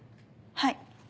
はい。